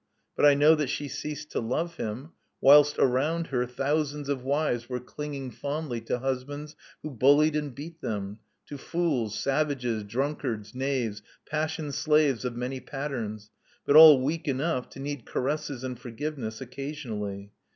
But I know that she ceased to love him, whilst around her thousands of wives were clinging fondly to husbands who bullied and beat them, to fools, savages, drunkards, knaves. Passion's slaves of many patterns, but all weak enough to need caresses and forgiveness occasionally.